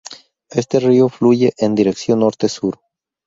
Este río fluye en dirección norte sur.